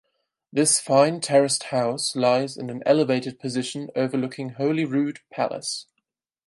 This fine terraced house lies in an elevated position overlooking Holyrood Palace.